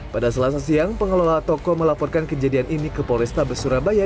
pada selasa siang pengelola toko melaporkan kejadian ini ke polrestabes surabaya